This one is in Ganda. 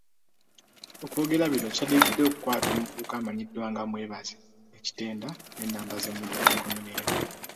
Okwogera bino kyadiridde okukwata omuvubuka amanyiddwa nga Mwebaze e Kitenda ne namba z'emmotoka kumi n'emu.